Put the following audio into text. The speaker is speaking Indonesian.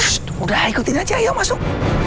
sst udah ikutin aja ayo masuk